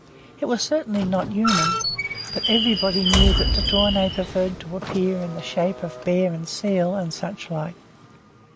It was certainly not human, but everybody knew that the tornait preferred to appear in the shape of bear and seal, and such like.